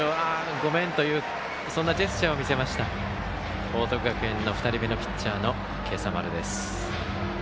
ごめんというジェスチャーを見せました報徳学園、２人目のピッチャー今朝丸です。